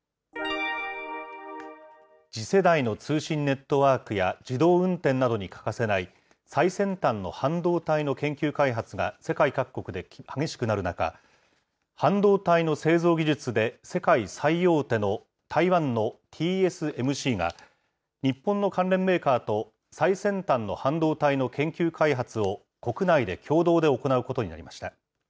次世代の通信ネットワークや自動運転などに欠かせない最先端の半導体の研究開発が世界各国で激しくなる中、半導体の製造技術で世界最大手の台湾のＴＳＭＣが、日本の関連メーカーと最先端の半導体の研究開発を国内で共同で行うことになりました。